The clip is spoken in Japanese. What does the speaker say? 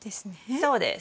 そうです。